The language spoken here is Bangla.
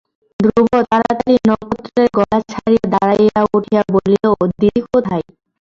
ধ্রুব তাড়াতাড়ি নক্ষত্রের গলা ছাড়িয়া দাঁড়াইয়া উঠিয়া বলিল, দিদি কোথায়?